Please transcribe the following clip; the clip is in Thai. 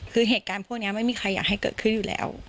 คือเหตุการณ์พวกนี้ไม่มีใครอยากให้เกิดขึ้นอยู่แล้ว